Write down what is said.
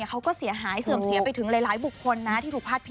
เขาก็เสียหายเสื่อมเสียไปถึงหลายบุคคลนะที่ถูกพาดพิ